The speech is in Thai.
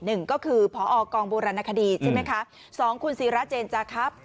หนึ่งก็คือบรพคครราณคดีที่๒คุณซีระเจนจะครับ